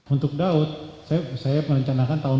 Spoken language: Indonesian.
untuk daud saya merencanakan tahun dua ribu dua puluh tiga